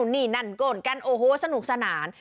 นี่นั่นโกนกันโอ้โหสนุกสนาน